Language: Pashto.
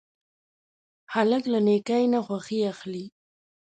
هلک له نیکۍ نه خوښي اخلي.